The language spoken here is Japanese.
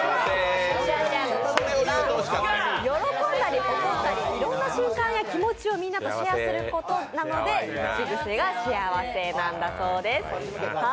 喜んだり、怒ったりいろんな瞬間を気持ちをみんなでシェアすることなので口癖がシェアわせなんだそうです。